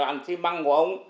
không phải là xe băng của ông